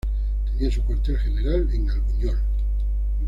Tenía su cuartel general en Albuñol.